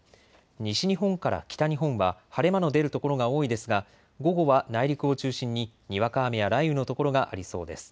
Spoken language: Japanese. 西日本から北日本は晴れ間の出る所が多いですが午後は内陸を中心ににわか雨や雷雨の所がありそうです。